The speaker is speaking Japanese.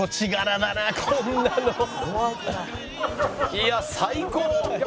いや最高！